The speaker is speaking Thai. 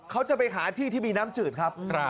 เขาจะไปหาที่ที่มีน้ำจืดครับ